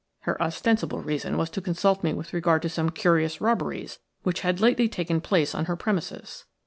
Her ostensible reason was to consult me with regard to some curious robberies which had lately taken place on her premises.